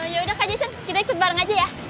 yaudah kak jasa kita ikut bareng aja ya